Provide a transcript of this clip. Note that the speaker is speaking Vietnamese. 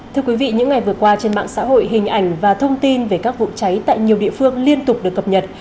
thưa quý vị những ngày vừa qua trên mạng xã hội hình ảnh và thông tin về các vụ cháy tại nhiều địa phương liên tục được cập nhật